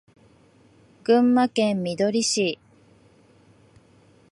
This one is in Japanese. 群馬県みどり市